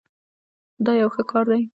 دا یو ښه کار دی.